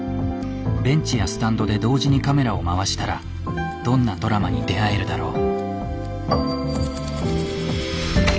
ベンチやスタンドで同時にカメラを回したらどんなドラマに出会えるだろう。